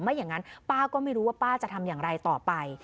อย่างนั้นป้าก็ไม่รู้ว่าป้าจะทำอย่างไรต่อไป